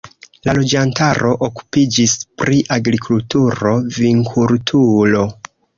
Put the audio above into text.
La loĝantaro okupiĝis pri agrikulturo, vinkulturo.